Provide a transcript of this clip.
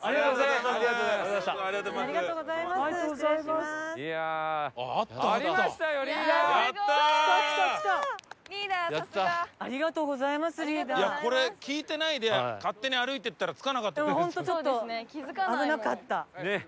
さすが！いやこれ聞いてないで勝手に歩いていったら着かなかったですよ。